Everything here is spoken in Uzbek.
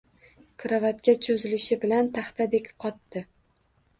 Karavotga cho`zilishi bilan taxtadek qotdi